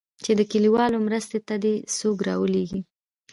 چې د كليوالو مرستې ته دې څوك راولېږي.